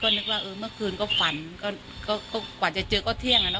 ก็นึกว่าเมื่อคืนก็ฝันกว่าจะเจอก็เที่ยง